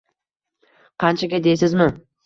Qanchaga deysizmi?